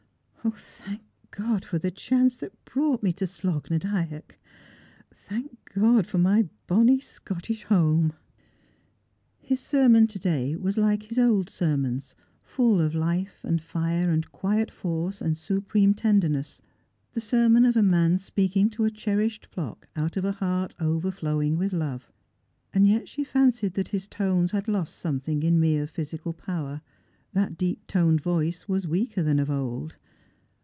0, thank God for the chance that brought me to Slogh na Dyack ! Thank God for my bonnie Scottish home!" His sermon to day was like his old sermons, full of life and fire and quiet force and supreme tenderness, the sermon of a man speaking to a cherished flock out of a heart overflowing with love. Yet she fancied that his tones had lost somethinif in mere physical power; that deep toned voice was weaker than of old.